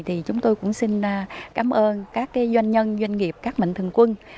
thì chúng tôi cũng xin cảm ơn các doanh nhân doanh nghiệp các mạnh thường quân